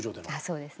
そうですね。